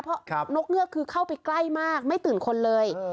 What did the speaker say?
เพราะนกเงือกคือเข้าไปใกล้มากไม่ตื่นคนเลย